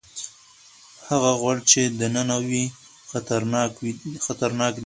هغه غوړ چې دننه وي خطرناک دي.